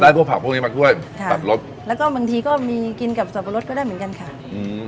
พวกผักพวกนี้มาช่วยค่ะตัดรสแล้วก็บางทีก็มีกินกับสับปะรดก็ได้เหมือนกันค่ะอืม